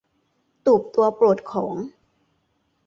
ตูบตัวโปรดของ